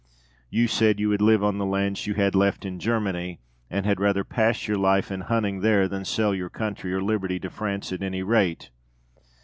you said, "You would live on the lands you had left in Germany, and had rather pass your life in hunting there than sell your country or liberty to France at any rate!"